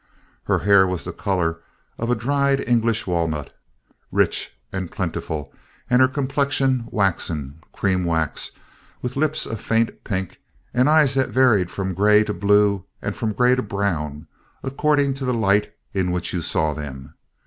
Her hair was the color of a dried English walnut, rich and plentiful, and her complexion waxen—cream wax— with lips of faint pink, and eyes that varied from gray to blue and from gray to brown, according to the light in which you saw them.